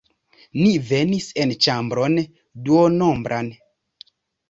Ni venis en ĉambron duonombran.